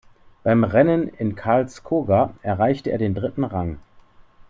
Beim Rennen in Karlskoga erreichte er den dritten Rang.